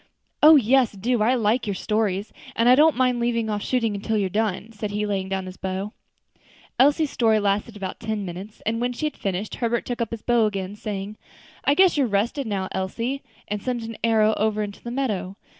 "Oh! yes, do; I like your stories, and I don't mind leaving off shooting till you're done," said he, laying down his bow. Elsie's story lasted about ten minutes, and when she had finished, Herbert took up his bow again, saying, "I guess you're rested now, Elsie," and sent an arrow over into the meadow.